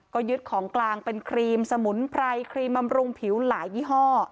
ก็ยึดของกลางเป็นครีมสมุนไพรครีมบำรุงผิวหลายยี่ห้อ